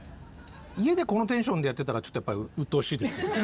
家でこのテンションでやってたらちょっとやっぱりうっとうしいですよ。